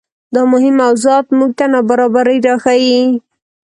دا مهم موضوعات موږ ته نابرابرۍ راښيي.